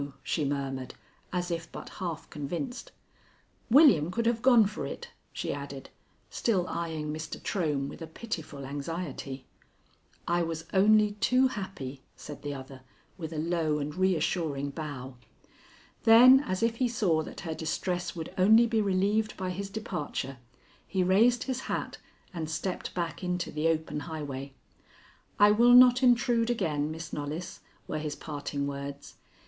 she murmured as if but half convinced. "William could have gone for it," she added, still eying Mr. Trohm with a pitiful anxiety. "I was only too happy," said the other, with a low and reassuring bow. Then, as if he saw that her distress would only be relieved by his departure, he raised his hat and stepped back into the open highway. "I will not intrude again, Miss Knollys," were his parting words.